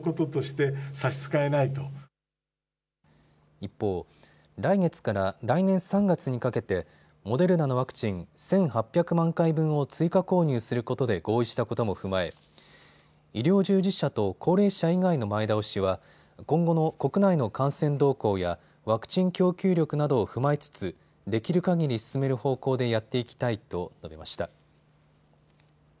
一方、来月から来年３月にかけてモデルナのワクチン１８００万回分を追加購入することで合意したことも踏まえ医療従事者と高齢者以外の前倒しは今後の国内の感染動向やワクチン供給力などを踏まえつつできるかぎり進める方向でやっていきたいと述べました。